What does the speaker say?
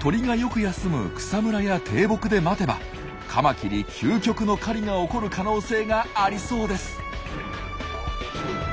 鳥がよく休む草むらや低木で待てばカマキリ究極の狩りが起こる可能性がありそうです！